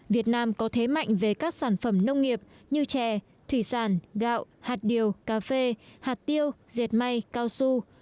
việt nam có thế mạnh về các sản phẩm nông nghiệp như chè thủy sản gạo hạt điều cà phê hạt tiêu diệt may cao su